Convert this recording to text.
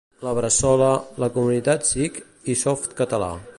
La Bressola, la Comunitat Sikh i Softcatalà.